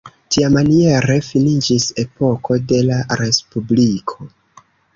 Tiamaniere finiĝis epoko de la respubliko.